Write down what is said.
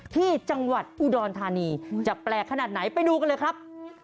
ที่จังหวัดอุดรธานีจะแปลกขนาดไหนไปดูกันเลยครับ